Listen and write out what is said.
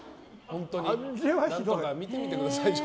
何とか見てみてください。